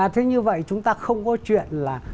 thế như vậy chúng ta không có chuyện là